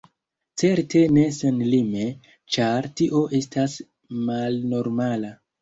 Certe ne senlime, ĉar tio estas malnormala.